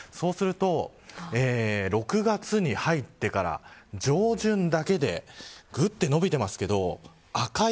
そうすると、６月に入ってから上旬だけでぐっと伸びていますけど赤い